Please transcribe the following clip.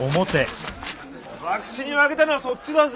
博打に負けたのはそっちだぜ。